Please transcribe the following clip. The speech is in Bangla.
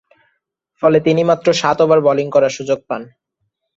ফলে, তিনি মাত্র সাত ওভার বোলিং করার সুযোগ পান।